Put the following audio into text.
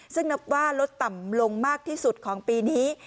ซึ่งนับว่าลดต่ำลงมากที่สุดของปีนี้